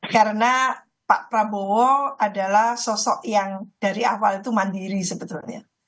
karena pak prabowo adalah sosok yang dari awal itu mandiri sebetulnya